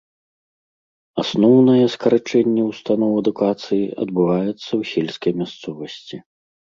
Асноўнае скарачэнне ўстаноў адукацыі адбываецца ў сельскай мясцовасці.